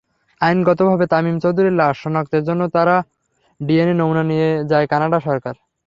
আইনগতভাবে তামিম চৌধুরীর লাশ শনাক্তের জন্য তাঁর ডিএনএ নমুনা নিয়ে যায় কানাডা সরকার।